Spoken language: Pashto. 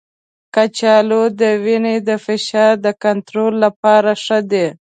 کچالو د وینې د فشار د کنټرول لپاره ښه دی.